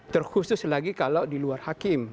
terkhusus lagi kalau di luar hakim